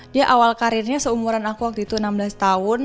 dia awal karirnya seumuran aku waktu itu enam belas tahun